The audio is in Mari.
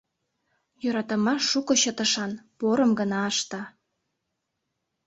«Йӧратымаш шуко чытышан, порым гына ышта».